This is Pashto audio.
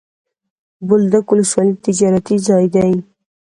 بولدک ولسوالي تجارتي ځای دی.